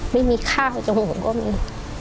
ไม่มีข้าวจมูกก็มี